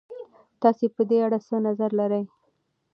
تاسې په دې اړه څه نظر لرئ؟